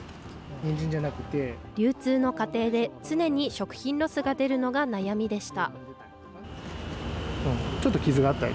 流通の過程で常に食品ロスが出るのが悩みでした。